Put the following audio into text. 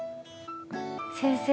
先生